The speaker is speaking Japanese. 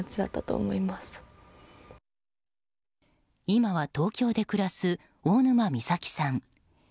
今は東京で暮らす大沼美咲さん。